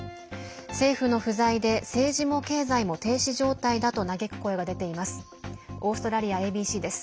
政府の不在で、政治も経済も停止状態だと嘆く声が出ています。